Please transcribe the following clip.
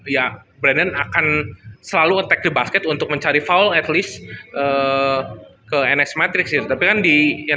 ya brandan akan selalu attack basket untuk mencari file at least ke enes matrix tetapi kan di yang